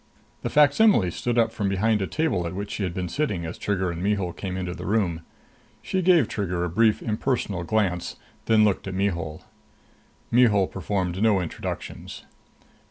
The facsimile stood up from behind a table at which she had been sitting as Trigger and Mihul came into the room. She gave Trigger a brief, impersonal glance, then looked at Mihul. Mihul performed no introductions.